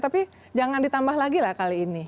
tapi jangan ditambah lagi lah kali ini